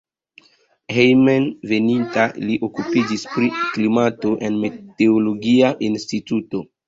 Hejmenveninta li okupiĝis pri klimato en meteologia instituto.